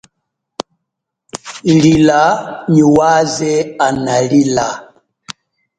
Lila nyi waze ana lila.